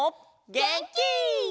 げんき！